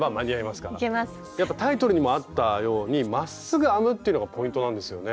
やっぱタイトルにもあったようにまっすぐ編むっていうのがポイントなんですよね？